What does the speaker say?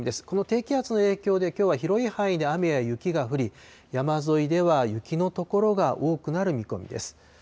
この低気圧の影響で、きょうは広い範囲で雨や雪が降り、山沿いでは雪の所が多くなる見込みです。